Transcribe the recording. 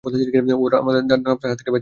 ও আমাদের দানবটার হাত থেকে বাঁচিয়েছে, তাই না?